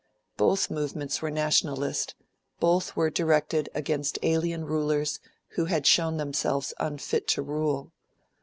Both movements were nationalist; both were directed against alien rulers who had shown themselves unfit to rule.